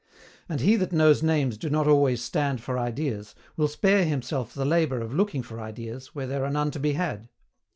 And he that knows names do not always stand for ideas will spare himself the labour of looking for ideas where there are none to be had.